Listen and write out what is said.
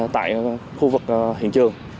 tại khu vực hiện trường